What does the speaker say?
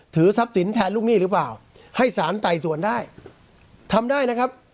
ทรัพย์สินแทนลูกหนี้หรือเปล่าให้สารไต่สวนได้ทำได้นะครับ